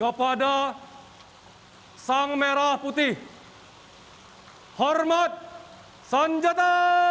kepada sang merah putih hormat senjata